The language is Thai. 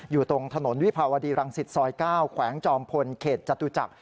อยู่ตรงถนนวิภาวดีรังสิตซอย๙แขวงจอมพลเขตจตุจักร